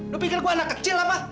lu pikir gua anak kecil apa